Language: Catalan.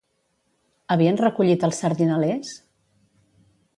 Havien recollit els sardinalers?